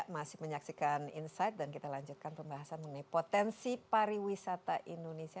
masih menyaksikan insight dan kita lanjutkan pembahasan mengenai potensi pariwisata indonesia